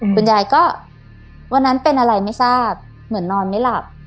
คุณยายก็วันนั้นเป็นอะไรไม่ทราบเหมือนนอนไม่หลับ